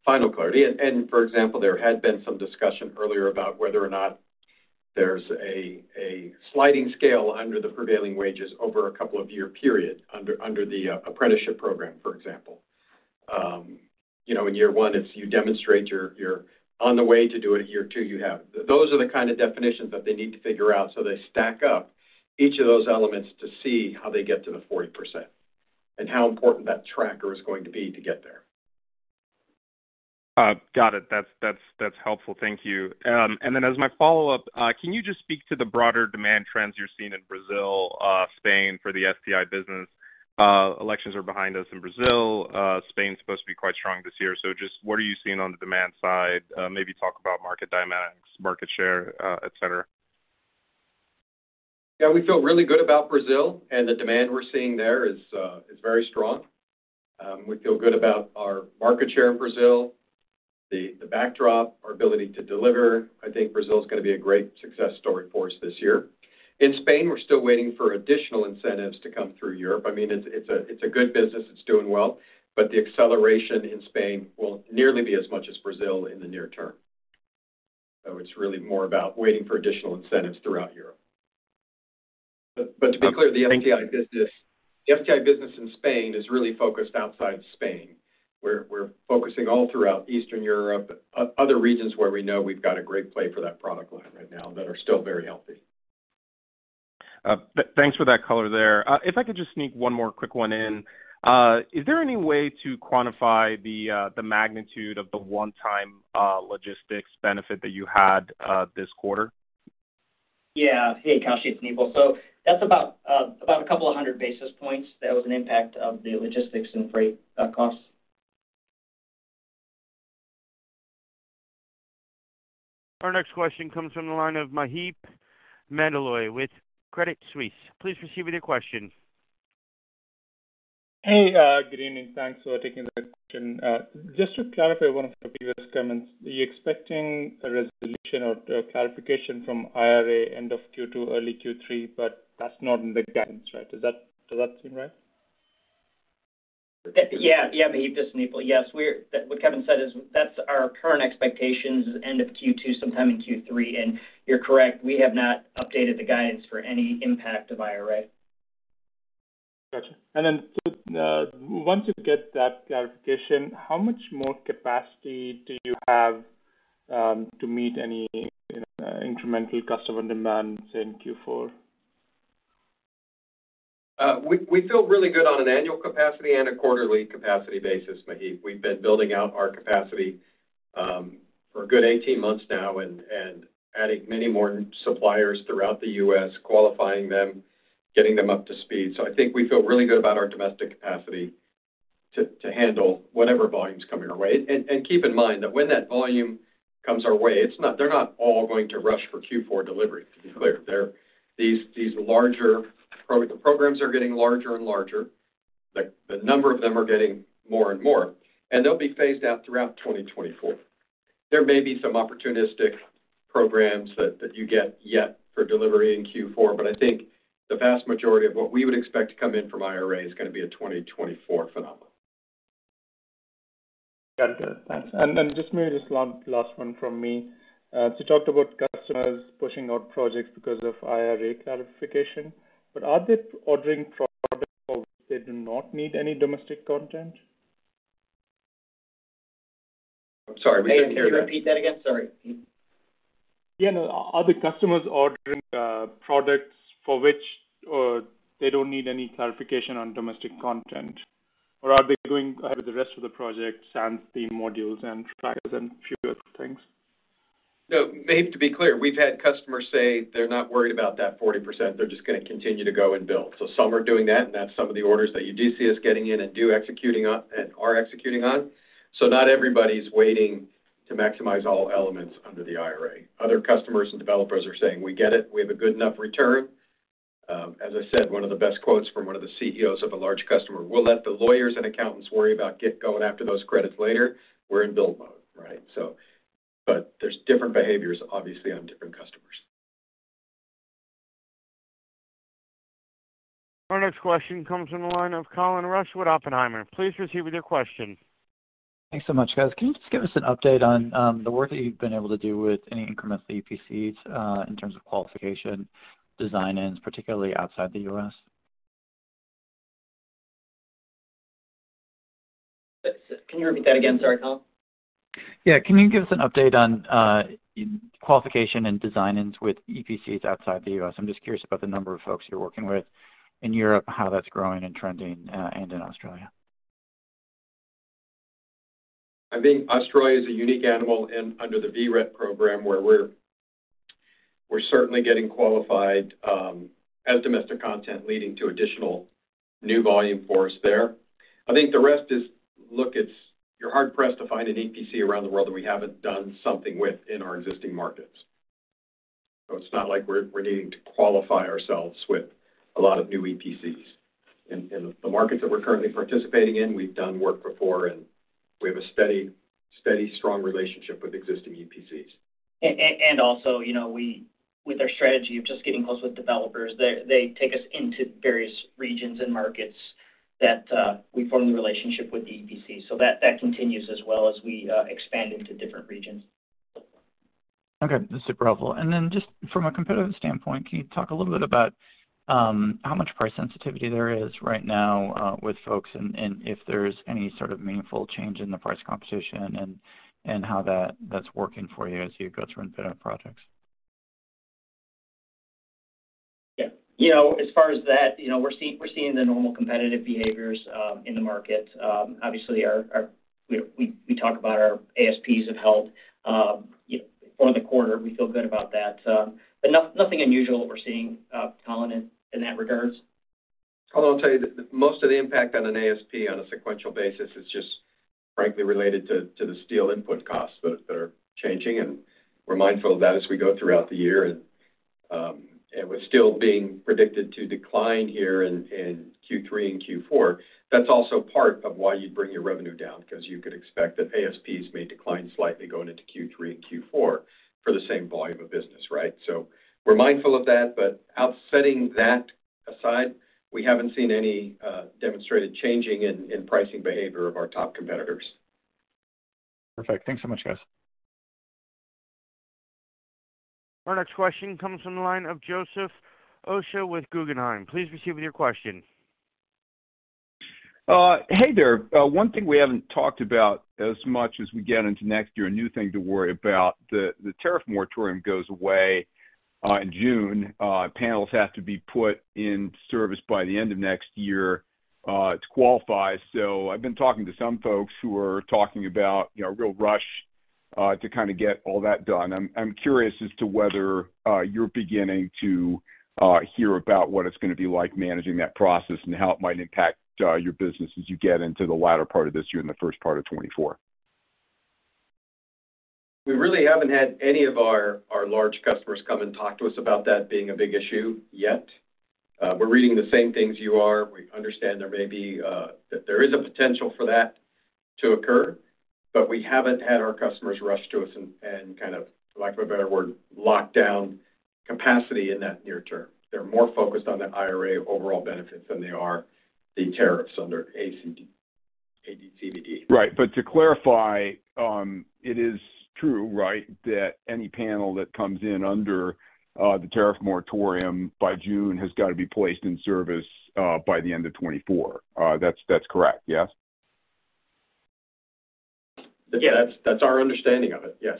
Final clarity. For example, there had been some discussion earlier about whether or not there's a sliding scale under the prevailing wages over a couple of year period under the apprenticeship program, for example. You know, in year 1, if you demonstrate you're on the way to do it, year 2, you have. Those are the kind of definitions that they need to figure out so they stack up each of those elements to see how they get to the 40% and how important that tracker is going to be to get there. Got it. That's helpful. Thank you. As my follow-up, can you just speak to the broader demand trends you're seeing in Brazil, Spain for the STI business? Elections are behind us in Brazil. Spain is supposed to be quite strong this year. Just what are you seeing on the demand side? Maybe talk about market dynamics, market share, et cetera. Yeah, we feel really good about Brazil, and the demand we're seeing there is very strong. We feel good about our market share in Brazil, the backdrop, our ability to deliver. I think Brazil is gonna be a great success story for us this year. In Spain, we're still waiting for additional incentives to come through Europe. I mean, it's a good business. It's doing well, but the acceleration in Spain will nearly be as much as Brazil in the near term. It's really more about waiting for additional incentives throughout Europe. To be clear, the STI business- Thank you. The STI business in Spain is really focused outside Spain. We're focusing all throughout Eastern Europe, other regions where we know we've got a great play for that product line right now that are still very healthy. Thanks for that color there. If I could just sneak one more quick one in. Is there any way to quantify the magnitude of the one-time logistics benefit that you had this quarter? Yeah. Hey, Kashy, it's Nipul. That's about a couple of hundred basis points. That was an impact of the logistics and freight costs. Our next question comes from the line of Maheep Mandloi with Credit Suisse. Please proceed with your question. Hey, good evening. Thanks for taking the question. Just to clarify one of the previous comments, are you expecting a resolution or clarification from IRA end of Q2, early Q3, but that's not in the guidance, right? Does that seem right? Yeah. Yeah, Maheep, this is Nipul. Yes, what Kevin said is that's our current expectations end of Q2, sometime in Q3. You're correct, we have not updated the guidance for any impact of IRA. Gotcha. Once you get that clarification, how much more capacity do you have, to meet any, you know, incremental customer demands in Q4? We feel really good on an annual capacity and a quarterly capacity basis, Maheep. We've been building out our capacity for a good 18 months now and adding many more suppliers throughout the U.S., qualifying them, getting them up to speed. I think we feel really good about our domestic capacity to handle whatever volumes coming our way. Keep in mind that when that volume comes our way, they're not all going to rush for Q4 delivery, to be clear. These larger programs are getting larger and larger. The number of them are getting more and more, they'll be phased out throughout 2024. There may be some opportunistic programs that you get yet for delivery in Q4, but I think the vast majority of what we would expect to come in from IRA is gonna be a 2024 phenomenon. Got it. Thanks. Just maybe this one last one from me. You talked about customers pushing out projects because of IRA clarification. Are they ordering products or they do not need any domestic content? I'm sorry. We couldn't hear that. Maheep, can you repeat that again? Sorry. Yeah, no. Are the customers ordering products for which they don't need any clarification on domestic content, or are they going ahead with the rest of the projects and the modules and trackers and few other things? No, Maheep, to be clear, we've had customers say they're not worried about that 40%. They're just gonna continue to go and build. Some are doing that, and that's some of the orders that you do see us getting in and are executing on. Not everybody's waiting to maximize all elements under the IRA. Other customers and developers are saying, "We get it. We have a good enough return." As I said, one of the best quotes from one of the CEOs of a large customer, "We'll let the lawyers and accountants worry about going after those credits later. We're in build mode." Right? There's different behaviors, obviously, on different customers. Our next question comes from the line of Colin Rusch with Oppenheimer. Please proceed with your question. Thanks so much, guys. Can you just give us an update on the work that you've been able to do with any increments of the EPCs in terms of qualification, design-ins, particularly outside the U.S.? Can you repeat that again? Sorry, Colin. Yeah. Can you give us an update on qualification and design-ins with EPCs outside the U.S.? I'm just curious about the number of folks you're working with in Europe, how that's growing and trending, and in Australia. I think Australia is a unique animal under the VRET program, where we're certainly getting qualified as domestic content, leading to additional new volume for us there. I think the rest is. Look, you're hard-pressed to find an EPC around the world that we haven't done something with in our existing markets. It's not like we're needing to qualify ourselves with a lot of new EPCs. In the markets that we're currently participating in, we've done work before, and we have a steady, strong relationship with existing EPCs. Also, you know, with our strategy of just getting close with developers, they take us into various regions and markets that we form the relationship with the EPC. That continues as well as we expand into different regions. Okay. That's super helpful. Then just from a competitive standpoint, can you talk a little bit about how much price sensitivity there is right now with folks, and if there's any sort of meaningful change in the price competition and how that's working for you as you go through and bid on projects? Yeah. You know, as far as that, you know, we're seeing the normal competitive behaviors in the market. Obviously, our ASPs have held, you know, for the quarter. We feel good about that. Nothing unusual that we're seeing, Colin, in that regards. Colin, I'll tell you that most of the impact on an ASP on a sequential basis is just frankly related to the steel input costs that are changing, and we're mindful of that as we go throughout the year. We're still being predicted to decline here in Q3 and Q4. That's also part of why you'd bring your revenue down because you could expect that ASPs may decline slightly going into Q3 and Q4 for the same volume of business, right? We're mindful of that, but offsetting that aside, we haven't seen any demonstrated changing in pricing behavior of our top competitors. Perfect. Thanks so much, guys. Our next question comes from the line of Joseph Osha with Guggenheim. Please proceed with your question. Hey there. One thing we haven't talked about as much as we get into next year, a new thing to worry about, the tariff moratorium goes away in June. Panels have to be put in service by the end of next year to qualify. I've been talking to some folks who are talking about, you know, a real rush to kind of get all that done. I'm curious as to whether you're beginning to hear about what it's gonna be like managing that process and how it might impact your business as you get into the latter part of this year and the first part of 2024. We really haven't had any of our large customers come and talk to us about that being a big issue yet. We're reading the same things you are. We understand there may be that there is a potential for that to occur. We haven't had our customers rush to us and kind of, lack of a better word, lock down capacity in that near term. They're more focused on the IRA overall benefits than they are the tariffs under AD/CVD. Right. To clarify, it is true, right, that any panel that comes in under the tariff moratorium by June has got to be placed in service by the end of 2024. That's correct, yes? That's our understanding of it. Yes.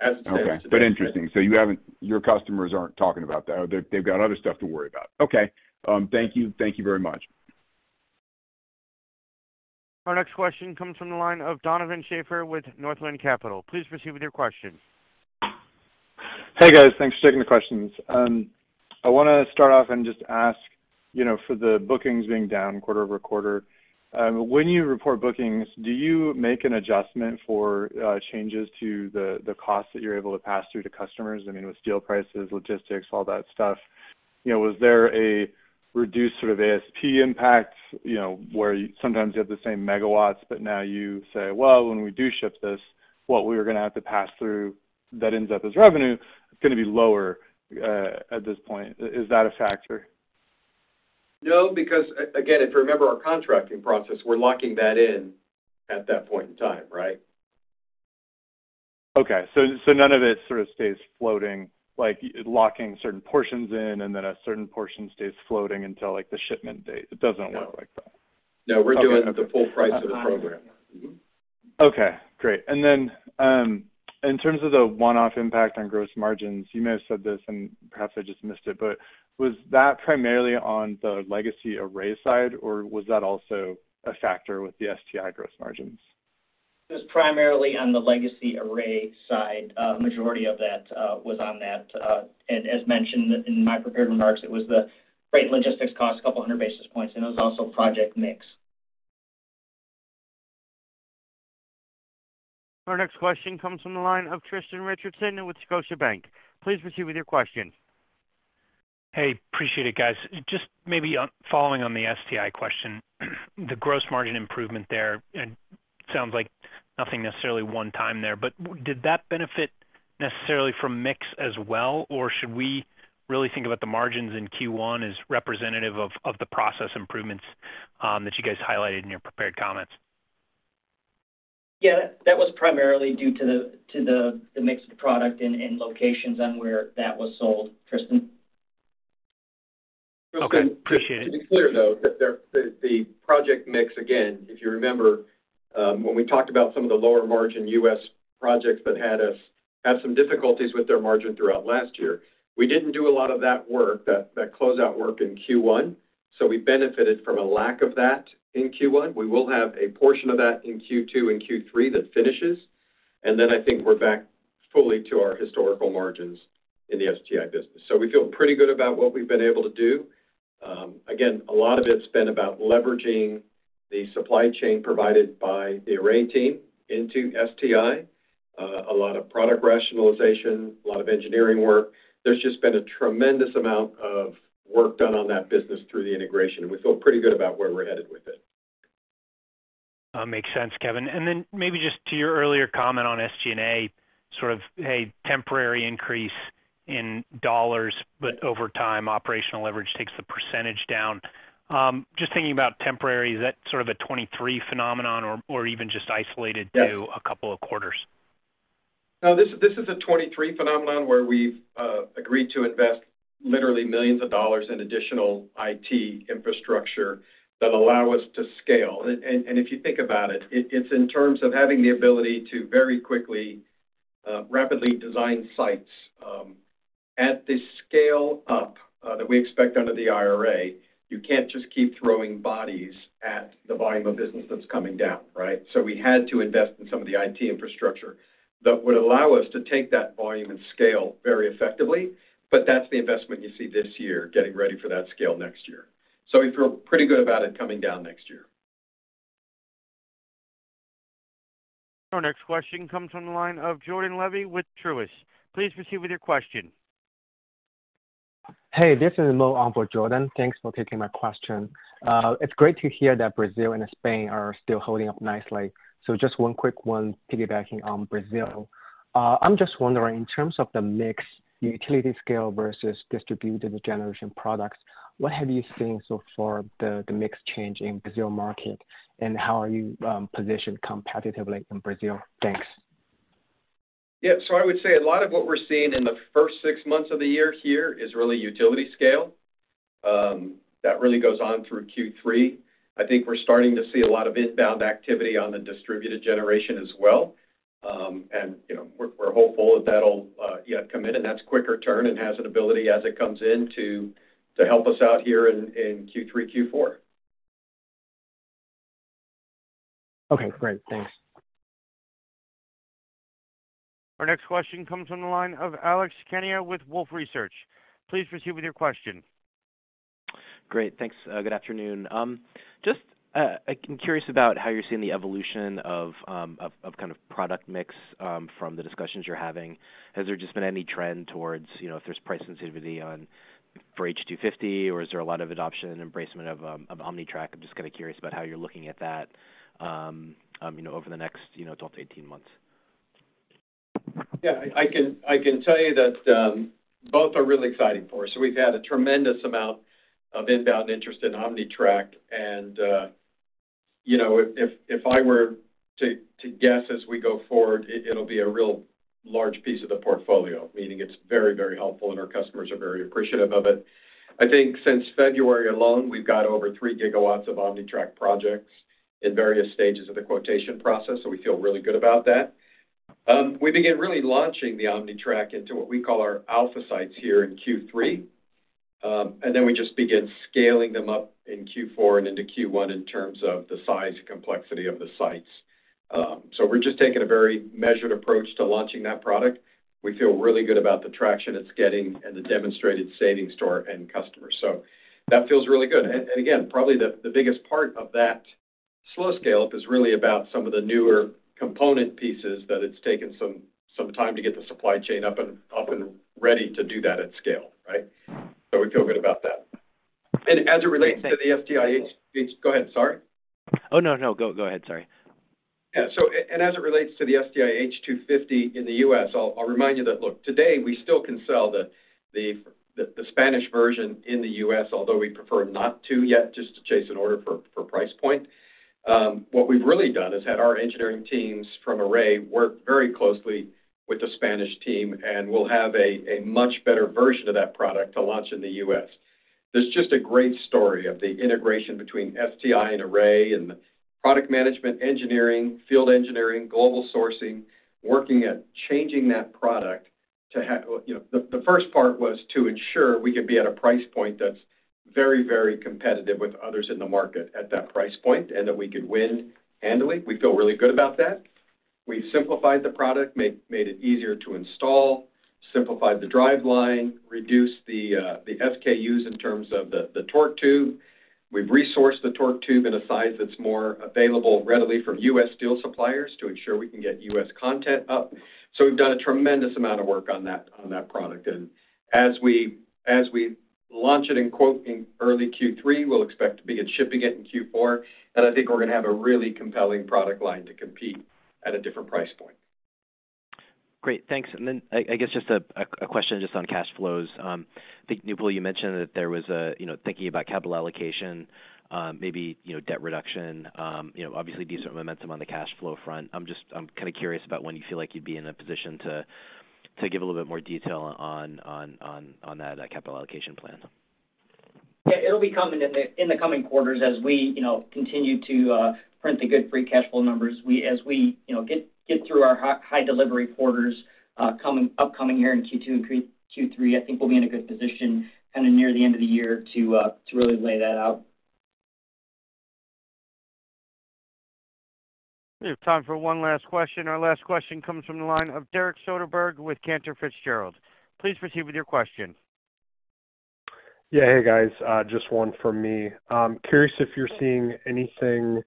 As it stands today. Okay. Interesting. Your customers aren't talking about that, or they've got other stuff to worry about. Okay. Thank you. Thank you very much. Our next question comes from the line of Donovan Schafer with Northland Capital. Please proceed with your question. Hey, guys. Thanks for taking the questions. I wanna start off and just ask, you know, for the bookings being down quarter-over-quarter, when you report bookings, do you make an adjustment for changes to the cost that you're able to pass through to customers? I mean, with steel prices, logistics, all that stuff. You know, was there a reduced sort of ASP impact, you know, where sometimes you have the same megawatts, but now you say, "Well, when we do ship this, what we're gonna have to pass through that ends up as revenue is gonna be lower at this point." Is that a factor? No, because again, if you remember our contracting process, we're locking that in at that point in time, right? Okay. None of it sort of stays floating, like locking certain portions in and then a certain portion stays floating until, like, the shipment date. It doesn't work like that. No, we're doing it at the full price of the program. Mm-hmm. Okay, great. In terms of the one-off impact on gross margins, you may have said this and perhaps I just missed it, but was that primarily on the legacy Array side, or was that also a factor with the STI gross margins? It was primarily on the legacy Array side. Majority of that was on that. As mentioned in my prepared remarks, it was the freight and logistics cost, 200 basis points, and it was also project mix. Our next question comes from the line of Tristan Richardson with Scotiabank. Please proceed with your question. Hey, appreciate it guys. Just maybe on following on the STI question. The gross margin improvement there sounds like nothing necessarily one time there, but did that benefit necessarily from mix as well, or should we really think about the margins in Q1 as representative of the process improvements that you guys highlighted in your prepared comments? Yeah, that was primarily due to the mix of the product in locations on where that was sold, Tristan. Okay. Appreciate it. To be clear, though, that the project mix again, if you remember, when we talked about some of the lower margin U.S. projects that had us have some difficulties with their margin throughout last year, we didn't do a lot of that work, that closeout work in Q1. We benefited from a lack of that in Q1. We will have a portion of that in Q2 and Q3 that finishes. I think we're back fully to our historical margins in the STI business. We feel pretty good about what we've been able to do. Again, a lot of it's been about leveraging the supply chain provided by the Array team into STI, a lot of product rationalization, a lot of engineering work. There's just been a tremendous amount of work done on that business through the integration, and we feel pretty good about where we're headed with it. Makes sense, Kevin. Maybe just to your earlier comment on SG&A, sort of a temporary increase in dollars, but over time, operational leverage takes the % down. Just thinking about temporary, is that sort of a 2023 phenomenon or even just isolated? Yes... to a couple of quarters? No, this is a 2023 phenomenon where we've agreed to invest literally millions of dollars in additional IT infrastructure that allow us to scale. If you think about it's in terms of having the ability to very quickly, rapidly design sites, at the scale up that we expect under the IRA, you can't just keep throwing bodies at the volume of business that's coming down, right? We had to invest in some of the IT infrastructure that would allow us to take that volume and scale very effectively. That's the investment you see this year, getting ready for that scale next year. We feel pretty good about it coming down next year. Our next question comes from the line of Jordan Levy with Truist. Please proceed with your question. Hey, this is Mo on for Jordan. Thanks for taking my question. It's great to hear that Brazil and Spain are still holding up nicely. Just one quick one piggybacking on Brazil. I'm just wondering, in terms of the mix, the utility scale versus distributed generation products, what have you seen so far, the mix change in Brazil market, and how are you positioned competitively in Brazil? Thanks. Yeah. I would say a lot of what we're seeing in the first six months of the year here is really utility scale. That really goes on through Q3. I think we're starting to see a lot of inbound activity on the distributed generation as well. You know, we're hopeful that that'll come in, and that's quicker turn and has an ability as it comes in to help us out here in Q3, Q4. Okay, great. Thanks. Our next question comes from the line of Alex Kania with Wolfe Research. Please proceed with your question. Great. Thanks. Good afternoon. I'm curious about how you're seeing the evolution of kind of product mix from the discussions you're having. Has there just been any trend towards, you know, if there's price sensitivity on for H250, or is there a lot of adoption and embracement of OmniTrack? I'm just kinda curious about how you're looking at that, you know, over the next, you know, 12 to 18 months. Yeah. I can tell you that both are really exciting for us. We've had a tremendous amount of inbound interest in OmniTrack. You know, if I were to guess as we go forward, it'll be a real large piece of the portfolio, meaning it's very, very helpful and our customers are very appreciative of it. I think since February alone, we've got over 3 gigawatts of OmniTrack projects in various stages of the quotation process. We feel really good about that. We began really launching the OmniTrack into what we call our alpha sites here in Q3. We just begin scaling them up in Q4 and into Q1 in terms of the size and complexity of the sites. We're just taking a very measured approach to launching that product. We feel really good about the traction it's getting and the demonstrated savings to our end customers. That feels really good. Again, probably the biggest part of that slow scale-up is really about some of the newer component pieces that it's taken some time to get the supply chain up and ready to do that at scale, right? We feel good about that. As it relates to the STIH-. Go ahead. Sorry. Oh, no. Go, go ahead. Sorry. Yeah. And as it relates to the STI H250 in the U.S., I'll remind you that, look, today we still can sell the Spanish version in the U.S., although we prefer not to yet, just to chase an order for price point. What we've really done is had our engineering teams from Array work very closely with the Spanish team, and we'll have a much better version of that product to launch in the U.S. There's just a great story of the integration between STI and Array and product management, engineering, field engineering, global sourcing, working at changing that product. You know, the first part was to ensure we could be at a price point that's very competitive with others in the market at that price point, and that we could win annually. We feel really good about that. We've simplified the product, made it easier to install. Simplified the driveline, reduced the SKUs in terms of the torque tube. We've resourced the torque tube in a size that's more available readily from U.S. steel suppliers to ensure we can get U.S. content up. We've done a tremendous amount of work on that product. As we launch it in quote in early Q3, we'll expect to begin shipping it in Q4. I think we're gonna have a really compelling product line to compete at a different price point. Great. Thanks. I guess just a question just on cash flows. I think Nipul, you mentioned that there was a, you know, thinking about capital allocation, maybe, you know, debt reduction, you know, obviously decent momentum on the cash flow front. I'm kinda curious about when you feel like you'd be in a position to give a little bit more detail on that capital allocation plan? Yeah. It'll be coming in the coming quarters as we, you know, continue to print the good free cash flow numbers. As we, you know, get through our high delivery quarters, upcoming year in Q2 and Q3, I think we'll be in a good position kinda near the end of the year to really lay that out. We have time for one last question. Our last question comes from the line of Derek Soderberg with Cantor Fitzgerald. Please proceed with your question. Yeah. Hey, guys, just one for me. I'm curious if you're seeing anything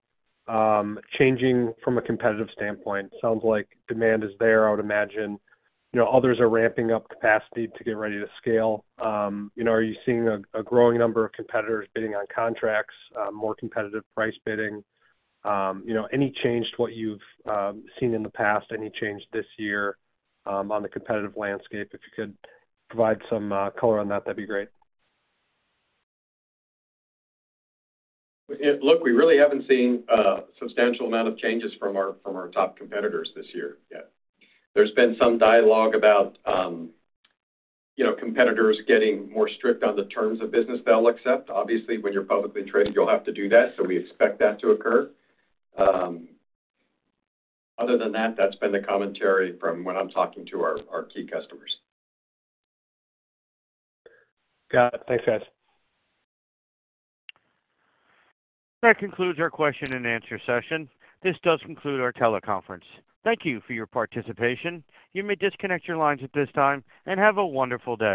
changing from a competitive standpoint. Sounds like demand is there, I would imagine. You know, others are ramping up capacity to get ready to scale. You know, are you seeing a growing number of competitors bidding on contracts, more competitive price bidding? You know, any change to what you've seen in the past? Any change this year on the competitive landscape? If you could provide some color on that'd be great. Look, we really haven't seen a substantial amount of changes from our, from our top competitors this year yet. There's been some dialogue about, you know, competitors getting more strict on the terms of business they'll accept. Obviously, when you're publicly traded, you'll have to do that, so we expect that to occur. Other than that's been the commentary from when I'm talking to our key customers. Got it. Thanks, guys. That concludes our question and answer session. This does conclude our teleconference. Thank you for your participation. You may disconnect your lines at this time, and have a wonderful day.